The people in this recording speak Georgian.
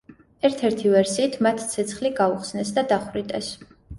ერთ-ერთი ვერსიით მათ ცეცხლი გაუხსნეს და დახვრიტეს.